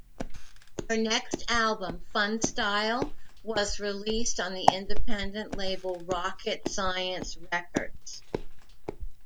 Her next album, "Funstyle", was released on the independent label Rocket Science Records.